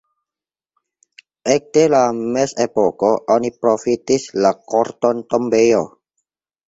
Ekde la mezepoko oni profitis la korton tombejo.